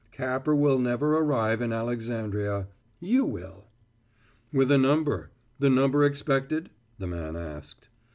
Capper will never arrive in Alexandria. You will." "With a number the number expected?" the man asked.